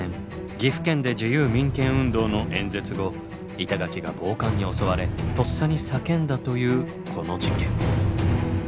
岐阜県で自由民権運動の演説後板垣が暴漢に襲われとっさに叫んだというこの事件。